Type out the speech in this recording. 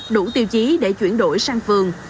đủ tiêu chí để chuyển đổi sang phương